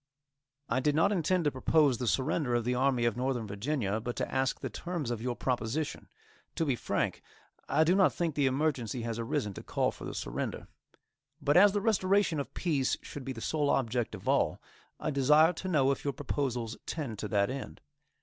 I did not intend to propose the surrender of the Army of Northern Virginia, but to ask the terms of your proposition. To be frank, I do not think the emergency has arisen to call for the surrender. But as the restoration of peace should be the sole object of all, I desire to know if your proposals tend to that end.